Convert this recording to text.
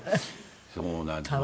そうなんですああ